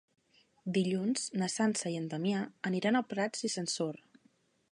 Dilluns na Sança i en Damià aniran a Prats i Sansor.